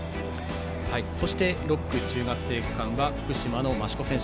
そして６区、中学生区間は福島の増子選手。